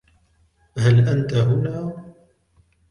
هل انت هنا؟